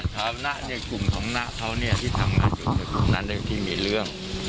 ไม่ได้ผ่านที่หน้าเนี่ยกลุ่มของหน้าเค้าเนี่ยที่ทำงานอยู่ที่มีเรื่อง